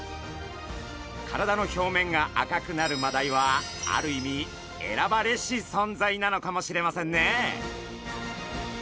体の表面が赤くなるマダイはある意味選ばれし存在なのかもしれませんね。